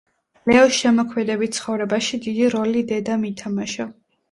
ლეოს შემოქმედებით ცხოვრებაში დიდი როლი დედამ ითამაშა.